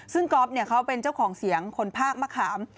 ซึ่งก๊อฟเขาเป็นเจ้าของเสียงคนภาคมะขาม